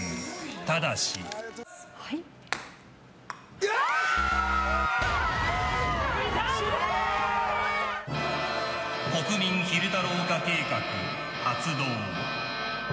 ただし。国民昼太郎化計画発動。